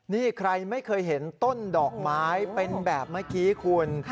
นี่ใครไม่เคยเห็นต้นดอกไม้เป็นแบบเมื่อกี้คุณ